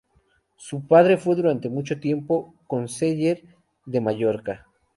Su padre fue durante mucho tiempo "Conseller" de Mallorca.